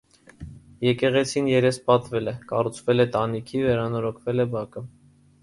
Եկեղեցին երեսապատվել է, կառուցվել է տանիքը, վերանորոգվել է բակը։